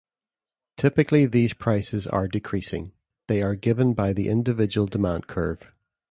Typically these prices are decreasing; they are given by the individual demand curve.